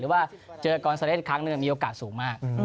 หรือว่าเจอกับกอนซาเลสส์ครั้งหนึ่งมีโอกาสสูงมาก